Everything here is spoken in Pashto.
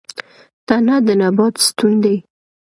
تنه د نبات ستون دی